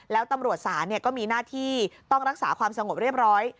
แล้วตำรวจศาลก็มีหน้าที่ต้องรักษาความสงบเรียบร้อย